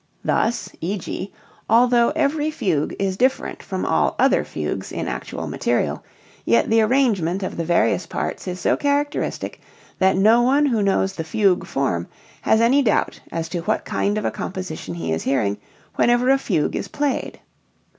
Thus e.g., although every fugue is different from all other fugues in actual material, yet the arrangement of the various parts is so characteristic that no one who knows the fugue form has any doubt as to what kind of a composition he is hearing whenever a fugue is played.